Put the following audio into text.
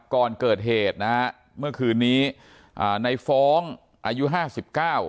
ก่อนเกิดเหตุนะฮะเมื่อคืนนี้อ่าในฟ้องอายุห้าสิบเก้า